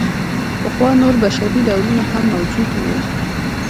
پخوا نور بشري ډولونه هم موجود وو.